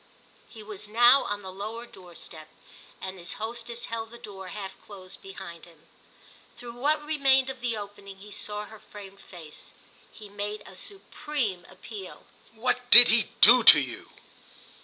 He was now on the lower door step, and his hostess held the door half closed behind him. Through what remained of the opening he saw her framed face. He made a supreme appeal. "What did he do to you?"